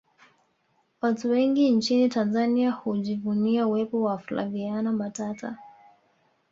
watu wengi nchini tanzania hujivunia uwepo wa flaviana matata